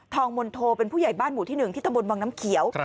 งมนโทเป็นผู้ใหญ่บ้านหมู่ที่๑ที่ตำบลวังน้ำเขียว